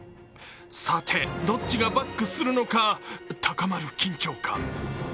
さて、どっちがバックするのか高まる緊張感。